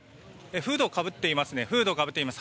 フードをかぶっています。